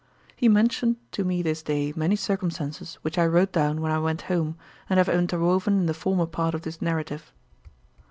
He mentioned to me this day many circumstances, which I wrote down when I went home, and have interwoven in the former part of this narrative.